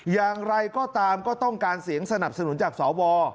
อย่างไรก็ตามก็ต้องการเสียงสนับสนุนจากสว